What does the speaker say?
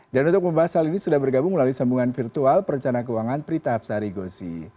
dan untuk membahas hal ini sudah bergabung melalui sambungan virtual perencana keuangan prita absarigosi